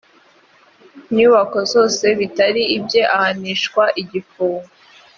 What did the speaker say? nyubako zose bitari ibye ahanishwa igifungo